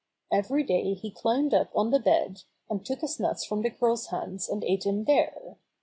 Every day he climbed up on the bed, and took his nuts from the girl's hands and ate them there.